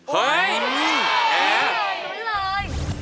เฮ่ยแอบเหนื่อย